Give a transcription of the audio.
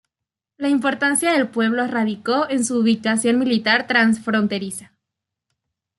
La importancia del pueblo radicó en su ubicación militar transfronteriza.